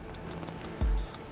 kau mau ngomong sesuatu